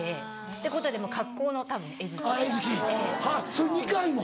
それ２回も？